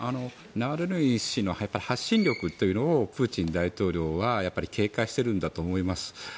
ナワリヌイ氏の発信力というのをプーチン大統領は警戒してるんだと思います。